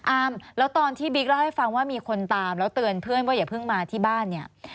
อามแล้วตอนที่บิ๊กเล่าให้ฟังว่ามีคนตามแล้วเตือนเพื่อนว่าอย่าเพิ่งมาที่บ้านเนี่ย